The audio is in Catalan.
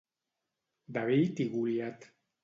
David i Goliat.